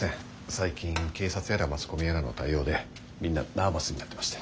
最近警察やらマスコミやらの対応でみんなナーバスになってまして。